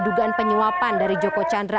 dugaan penyuapan dari joko chandra